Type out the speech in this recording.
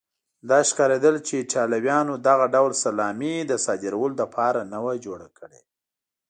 داسې ښکارېدل چې ایټالویانو دغه ډول سلامي د صادرولو لپاره نه وه جوړه کړې.